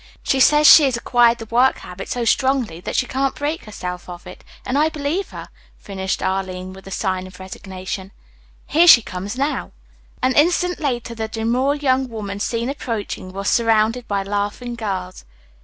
She says she has acquired the work habit so strongly that she can't break herself of it, and I believe her," finished Arline with a sigh of resignation. "Here she comes now." An instant later the demure young woman seen approaching was surrounded by laughing girls.